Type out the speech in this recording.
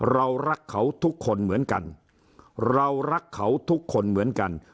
เรารักเขาทุกคนเหมือนกันเรารักเขาทุกคนเหมือนกัน